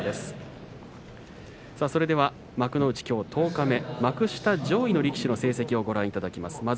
きょう十日目幕下上位の力士の成績をご覧いただきます。